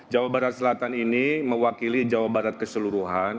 jawa barat selatan ini mewakili jawa barat keseluruhan